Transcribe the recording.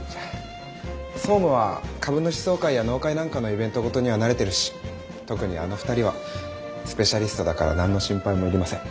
総務は株主総会や納会なんかのイベント事には慣れてるし特にあの２人はスペシャリストだから何の心配もいりません。